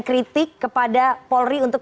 kritik kepada polri untuk